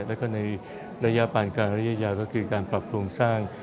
แล้วก็ในระยะปานกลางระยะยาวก็คือการปรับโครงสร้าง